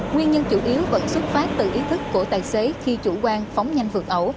nguyên nhân chủ yếu vẫn xuất phát từ ý thức của tài xế khi chủ quan phóng nhanh vượt ẩu